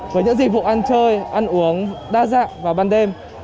với những dịch vụ ăn chơi ăn uống đa dạng vào ban đêm